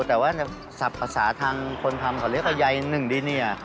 แต่ว่าสรรพสาทางคนทำเขาเรียกว่ายาย๑ดิเนียร์